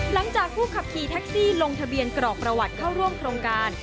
หลังจากผู้ขับขี่แท็กซี่ลงทะเบียนกรอกประวัติเข้าร่วมโครงการ